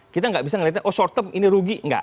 kita tidak bisa melihatnya short term ini rugi